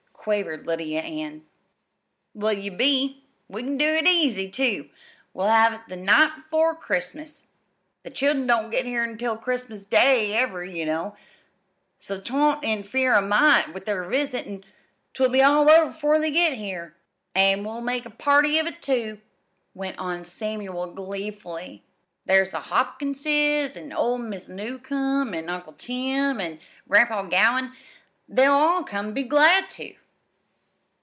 quavered Lydia Ann. "Well, ye be. We can do it easy, too. We'll have it the night 'fore Christmas. The children don't get here until Christmas day, ever, ye know, so 't won't interfere a mite with their visit, an' 'twill be all over 'fore they get here. An' we'll make a party of it, too," went on Samuel gleefully. "There's the Hopkinses an' old Mis' Newcomb, an' Uncle Tim, an' Grandpa Gowin' they'll all come an' be glad to."